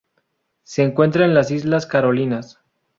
Se encuentra en las islas Carolinas.